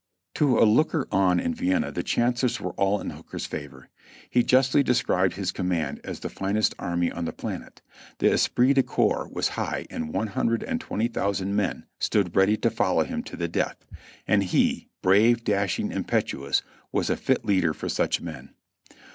To a "Looker on in Vienna" the chances were all in Hooker's favor. He justly described his command as the "finest army on the planet," the esprit de corps was high and one hundred and twenty thousand men stood ready to follow him to the death; and he, brave, dashing, impetuous, was a fit leader for such men.